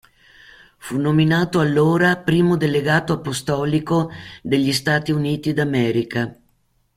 Fu nominato allora primo delegato apostolico degli Stati Uniti d'America.